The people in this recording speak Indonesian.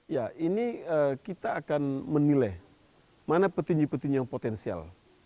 ya ini kita akan menilai mana petinju petinju yang potensial